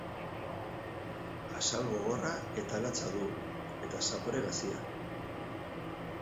Azal gogorra eta latza du, eta zapore gazia.